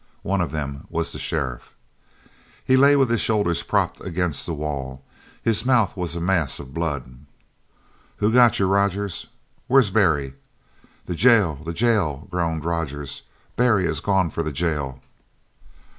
One of them was the sheriff. He lay with his shoulders propped against the wall. His mouth was a mass of blood. "Who got you, Rogers?" "Where's Barry?" "The jail, the jail!" groaned Rogers. "Barry has gone for the jail!"